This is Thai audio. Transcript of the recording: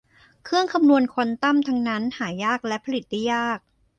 เครื่องคำนวณควอนตัมทั้งนั้นหายากและผลิตได้ยาก